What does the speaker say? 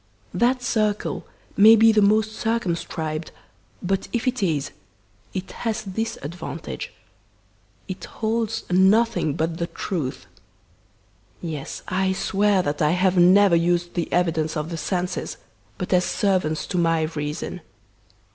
That circle may be the most circumscribed, but if it is, it has this advantage it holds nothing but the truth! Yes, I swear that I have never used the evidence of the senses but as servants to my reason.